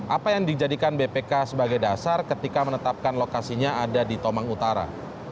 apa yang dijadikan bpk sebagai dasar ketika menetapkan lokasinya ada di tomang utara